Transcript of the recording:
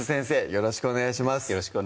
よろしくお願いします